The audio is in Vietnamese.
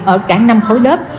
ở cả năm khối lớp